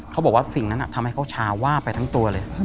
เขาบอกว่าสิ่งนั้นทำให้เขาชาว่าไปทั้งตัวเลย